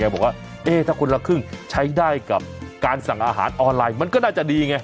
บอกว่าถ้าคนละครึ่งใช้ได้กับการสั่งอาหารออนไลน์มันก็น่าจะดีไง